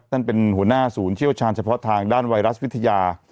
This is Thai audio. เป็นหัวหน้าศูนย์เชี่ยวชาญเฉพาะทางด้านไวรัสวิทยา